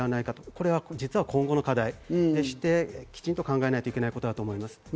これは実は今後の課題でして、きちんと考えないといけないことだと思います。